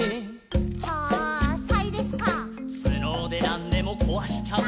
「つのでなんでもこわしちゃう」